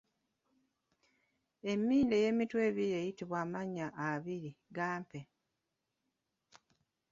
Emmindi eyeemitwe ebiri eyitibwa amannya abiri, gampe?